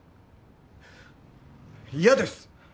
嫌です！